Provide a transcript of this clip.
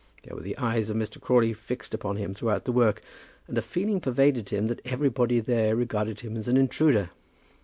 There were the eyes of Mr. Crawley fixed upon him throughout the work, and a feeling pervaded him that everybody there regarded him as an intruder.